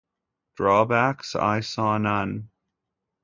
Drawbacks I saw none.